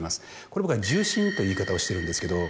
これ僕は「重心」という言い方をしてるんですけど。